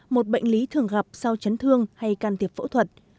một bệnh lý thường gặp sau chấn thương hay can thiệp phẫu thuật